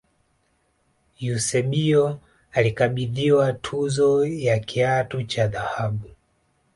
eusebio alikabidhiwa tuzo ya kiatu cha dhahabu